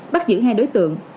bắt giữ hai đối tượng